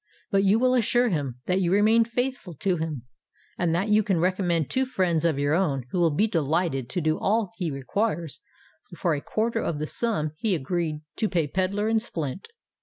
But you will assure him that you remain faithful to him, and that you can recommend two friends of your own who will be delighted to do all he requires for a quarter of the sum he agreed to pay Pedler and Splint.